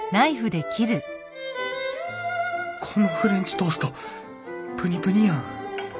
このフレンチトーストプニプニやん。